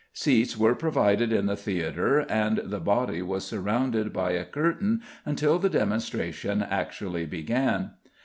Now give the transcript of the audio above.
Seats were provided in the theatre, and the body was surrounded by a curtain until the demonstration actually began.